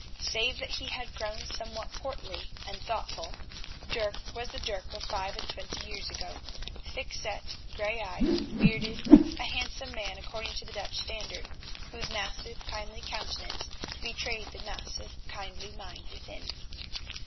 Save that he had grown somewhat portly and thoughtful, Dirk was the Dirk of five and twenty years ago, thickset, grey eyed, bearded, a handsome man according to the Dutch standard, whose massive, kindly countenance betrayed the massive, kindly mind within.